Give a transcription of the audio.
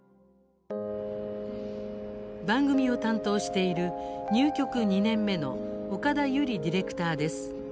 番組を担当している入局２年目の岡田ゆりディレクターです。